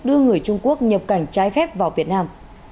đưa người trung quốc nhập cảnh trái phép vào việt nam